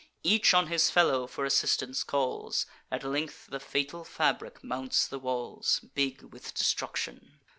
Each on his fellow for assistance calls; At length the fatal fabric mounts the walls, Big with destruction.